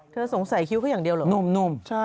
สงสัยคิ้วเขาอย่างเดียวเหรอหนุ่ม